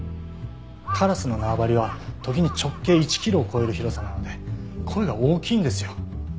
カラスの縄張りは時に直径１キロを超える広さなので声が大きいんですよ。